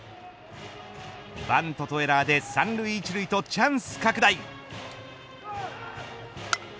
バントとエラーで三塁一塁とチャンス拡大。